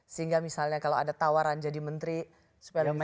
sehingga misalnya kalau ada tawaran jadi menteri supaya lebih baik